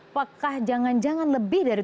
apakah jangan jangan lebih dari tujuh puluh ribu